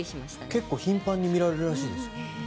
結構頻繁に見られるらしいですよ。